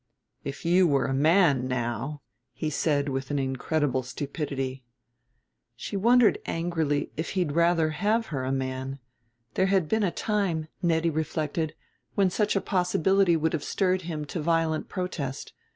"If you were a man now " he said with an incredible stupidity. She wondered angrily if he'd rather have her a man; there had been a time, Nettie reflected, when such a possibility would have stirred him to violent protest.